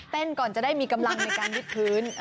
ก่อนจะได้มีกำลังในการยึดพื้น